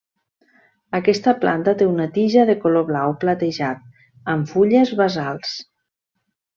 Aquesta planta té una tija de color blau platejat, amb fulles basals.